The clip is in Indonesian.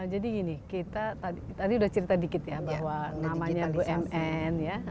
jadi gini kita tadi sudah cerita sedikit ya bahwa namanya bumn ya